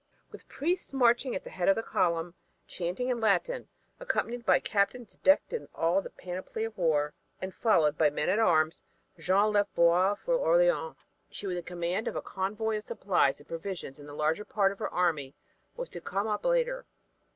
With priests marching at the head of the column, chanting in Latin, accompanied by captains decked in all the panoply of war, and followed by men at arms, Jeanne left Blois for Orleans. She was in command of a convoy of supplies and provisions and the larger part of her army was to come up later.